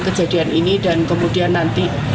kejadian ini dan kemudian nanti